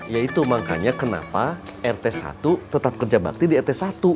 ya itu makanya kenapa rt satu tetap kerja bakti di rt satu